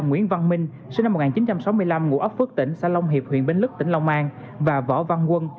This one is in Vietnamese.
nguyễn văn minh sinh năm một nghìn chín trăm sáu mươi năm ngụ ấp phước tỉnh xã long hiệp huyện bến lức tỉnh long an và võ văn quân